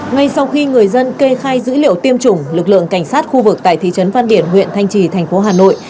ngay sau khi người dân kê khai dữ liệu tiêm chủng lực lượng cảnh sát khu vực tại thị trấn văn điển huyện thanh trì thành phố hà nội